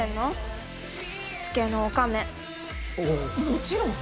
もちろん！